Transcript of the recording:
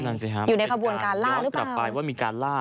นั่นสิครับมีการล่าหรือเปล่ายอดกลับไปว่ามีการล่า